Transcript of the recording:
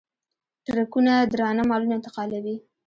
ټرکونه درانه مالونه انتقالوي.